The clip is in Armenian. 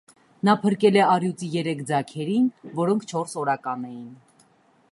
Նա փրկել է առյուծի երեք ձագերին, որոնք չորս օրական էին։